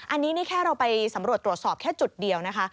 อันนี้นี่แค่เราไปสำรวจตรวจสอบแค่จุดเดียวนะคะ